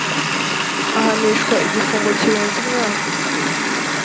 ahanishwa igifungo kirenze imyaka